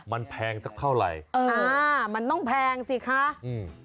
มันแพงสักเท่าไหร่เอออ่ามันต้องแพงสิคะอืม